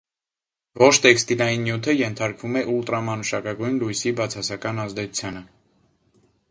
Ողջ տեքստիլային նյութը ենթարկվում է ուլտրամանուշակագույն լույսի բացասական ազդեցությանը։